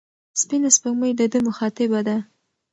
سپینه سپوږمۍ د ده مخاطبه ده.